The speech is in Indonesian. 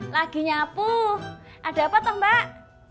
lagi nyapu ada apa toh mbak